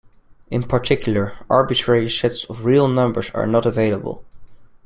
In particular, arbitrary sets of real numbers are not available.